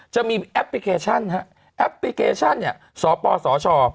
จะมีแอปพลิเคชันฮะแอปพลิเคชันเนี่ยสปสช